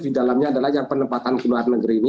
di dalamnya adalah yang penempatan ke luar negeri ini